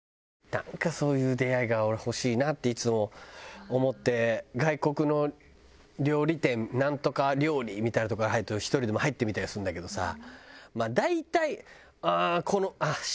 なんかそういう出会いが俺欲しいなっていつも思って外国の料理店「ナントカ料理」みたいな所に入ると１人でも入ってみたりするんだけどさ大体「うーん」。